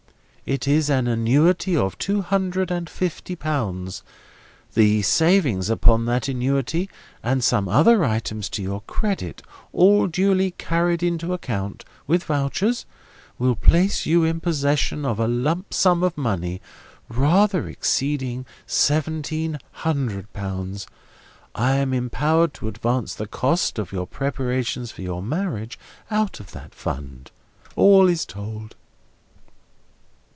It is an annuity of two hundred and fifty pounds. The savings upon that annuity, and some other items to your credit, all duly carried to account, with vouchers, will place you in possession of a lump sum of money, rather exceeding Seventeen Hundred Pounds. I am empowered to advance the cost of your preparations for your marriage out of that fund. All is told."